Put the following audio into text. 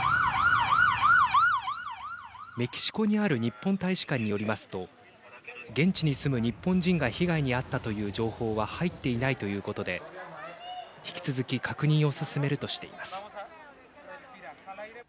メキシコにある日本大使館によりますと現地に住む日本人が被害に遭ったという情報は入っていないということで引き続き確認を進めるとしています。